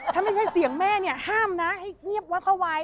ถ้าไม่ใช่เสียงแม่เนี่ยห้ามนะให้เงียบไว้เข้าไว้